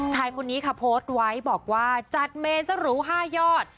ชายคนนี้ค่ะโพสต์ไว้บอกว่าจัดเมนสรู๕ยอด